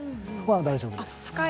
そこは大丈夫です。